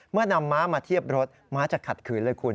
เมื่อนำม้ามาเทียบรถม้าจะขัดขืนเลยคุณ